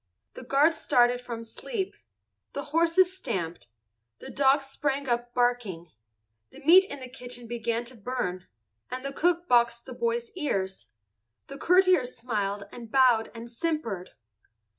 The guards started from sleep. The horses stamped, the dogs sprang up barking. The meat in the kitchen began to burn, and the cook boxed the boy's ears. The courtiers smiled and bowed and simpered.